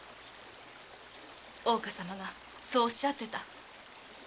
大岡様がそうおっしゃってた。